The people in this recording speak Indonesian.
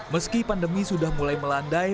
meski pandemi sudah mulai melandai